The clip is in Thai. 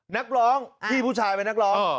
นักร้องพี่ผู้ชายเป็นนักร้อง